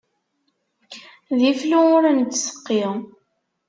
D iflu ur nettseqqi.